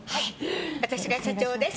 私が社長です。